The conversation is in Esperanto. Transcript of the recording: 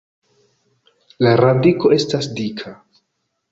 La radiko estas dika.